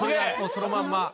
そのまんま！